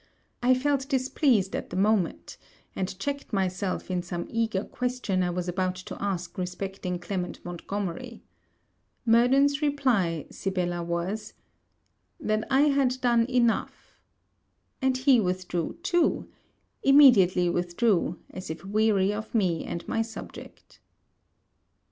I felt displeased at the moment; and checked myself in some eager question I was about to ask respecting Clement Montgomery. Murden's reply, Sibella, was, That I had done enough: and he withdrew, too immediately withdrew, as if weary of me and my subject.